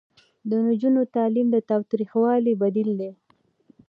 د نجونو تعلیم د تاوتریخوالي بدیل دی.